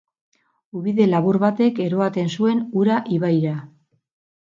Ubide labur batek eroaten zuen ura ibaira.